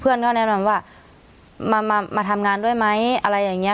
เพื่อนก็แนะนำว่ามามามาทำงานด้วยไหมอะไรอย่างเงี้ย